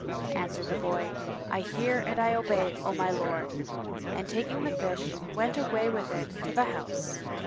Answered the boy, "I hear and I obey, O my lord" and, taking the fish, went away with it to the house.